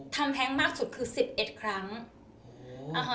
ทำแท็งก์มากสุดคือ๑๑